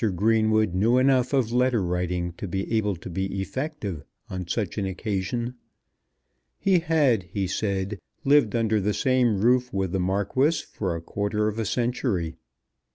Greenwood knew enough of letter writing to be able to be effective on such an occasion. He had, he said, lived under the same roof with the Marquis for a quarter of a century.